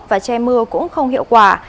và che mưa cũng không hiệu quả